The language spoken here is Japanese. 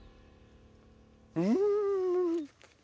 うん！